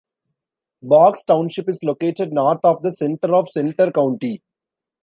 Boggs Township is located north of the center of Centre County.